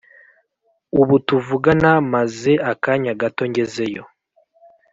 ubu tuvugana maze akanya gato ngezeyo,